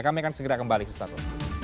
kami akan segera kembali sesuatu